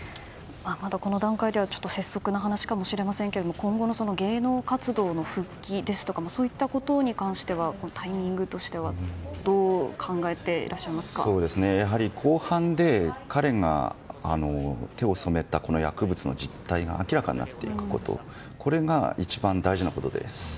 まだこの段階では拙速な話かもしれませんが今後の芸能活動への復帰ですとかそういったことに関してはタイミングとしては公判で彼が手を染めた薬物の実態が明らかになっていくことが一番大事なことです。